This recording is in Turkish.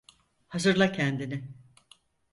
Hazırla kendini!